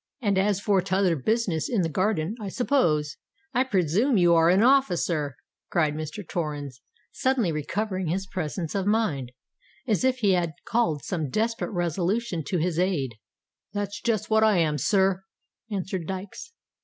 And as for t'other business in the garden—I s'pose——" "I presume you are an officer?" cried Mr. Torrens, suddenly recovering his presence of mind, as if he had called some desperate resolution to his aid. "That's just what I am, sir," answered Dykes.